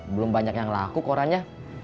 belum banyak yang laku korannya